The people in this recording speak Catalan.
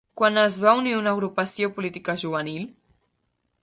Quan es va unir a una agrupació política juvenil?